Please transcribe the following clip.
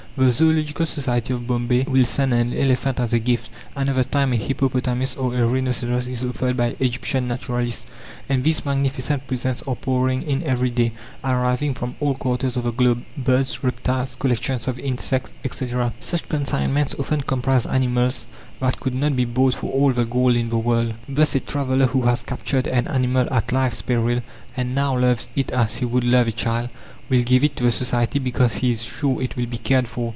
The Zoological Society of Bombay will send an elephant as a gift; another time a hippopotamus or a rhinoceros is offered by Egyptian naturalists. And these magnificent presents are pouring in every day, arriving from all quarters of the globe birds, reptiles, collections of insects, etc. Such consignments often comprise animals that could not be bought for all the gold in the world; thus a traveller who has captured an animal at life's peril, and now loves it as he would love a child, will give it to the Society because he is sure it will be cared for.